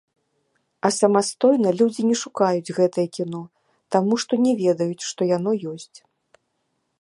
А самастойна людзі не шукаюць гэтае кіно, таму што не ведаюць, што яно ёсць.